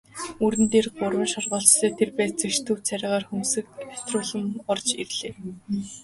Мөрөн дээрээ гурван шоргоолжтой тэр байцаагч төв царайгаар хөмсөг атируулан орж ирлээ.